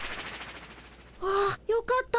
あっよかった！